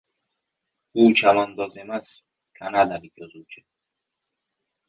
— U chavandoz emas, kanadalik yozuvchi.